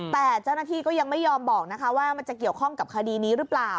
แต่เจ้าหน้าที่ก็ยังไม่ยอมบอกนะคะว่ามันจะเกี่ยวข้องกับคดีนี้หรือเปล่า